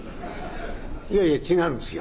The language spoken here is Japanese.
「いやいや違うんですよ。